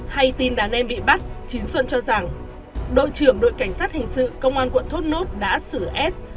hay tin đàn em bị bắt chính xuân cho rằng đội trưởng đội cảnh sát hình sự công an quận thốt nốt đã xử ép